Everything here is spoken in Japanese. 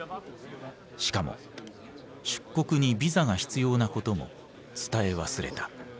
しかも出国にビザが必要なことも伝え忘れた。